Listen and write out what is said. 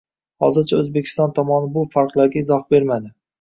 Hozircha O'zbekiston tomoni bu farqlarga izoh bermadi